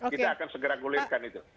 kita akan segera gulirkan itu